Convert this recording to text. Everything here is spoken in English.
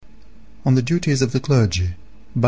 On the Duties of the Clergy.